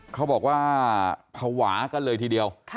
เขาบอกว่าภาวะกันเลยทีเดียว